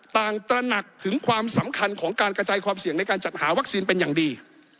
ตระหนักถึงความสำคัญของการกระจายความเสี่ยงในการจัดหาวัคซีนเป็นอย่างดี